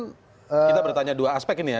kita bertanya dua aspek ini ya